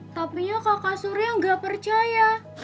tapi kakak surya gak percaya